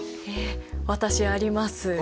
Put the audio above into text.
え私あります。